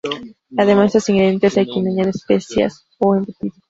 Además de estos ingredientes, hay quien añade especias o embutido.